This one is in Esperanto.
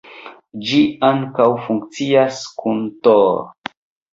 Ĝi ankaŭ funkcias kun Tor.